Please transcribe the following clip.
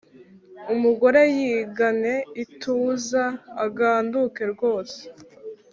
Umugore yigane ituza aganduke rwose,